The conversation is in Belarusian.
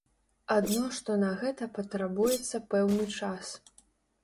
Адно што на гэта патрабуецца пэўны час.